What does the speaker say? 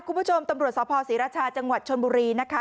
คุณผู้ชมตำรวจสภศรีราชาจังหวัดชนบุรีนะคะ